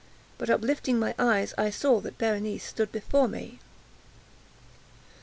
But, uplifting my eyes, I saw that Berenice stood before me.